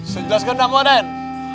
saya jelaskan enggak mau dan